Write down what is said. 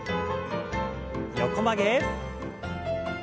横曲げ。